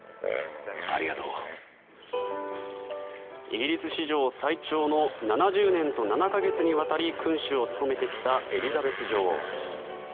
イギリス史上最長の７０年と７か月にわたり君主を務めてきたエリザベス女王。